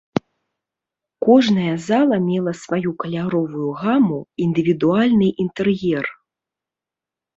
Кожная зала мела сваю каляровую гаму, індывідуальны інтэр'ер.